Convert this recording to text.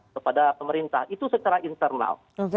kepada pemerintah itu secara internal